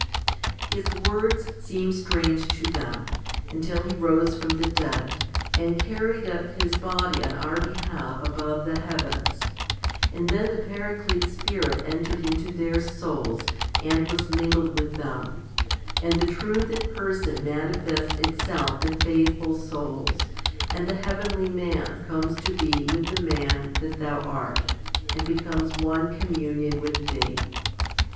1 8. His words seemed strange to them, until He rose from the dead, and carried up His body on our behalf above the heavens ; and then the Paraclete Spirit entered into their souls and was mingled with them, and the Truth in person manifests itself in faithful souls, and the heavenly Man comes to be with the man that thou art, and becomes one communion with thee.